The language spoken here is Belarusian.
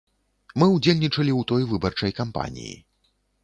Мы ўдзельнічалі ў той выбарчай кампаніі.